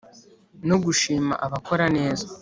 no gushima abakora neza.